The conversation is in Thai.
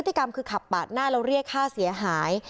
กรรมคือขับปาดหน้าแล้วเรียกค่าเสียหาย